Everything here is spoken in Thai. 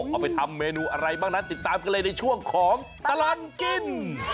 เอาไปทำเมนูอะไรบ้างนั้นติดตามกันเลยในช่วงของตลอดกิน